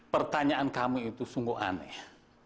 pertanyaan kami itu sungguh aneh